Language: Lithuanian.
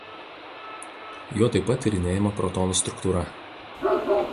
Juo taip pat tyrinėjama protonų struktūra.